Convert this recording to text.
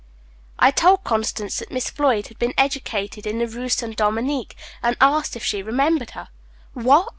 "I told Constance that Miss Floyd had been educated in the Rue St. Dominique, and asked if she remembered her. 'What!'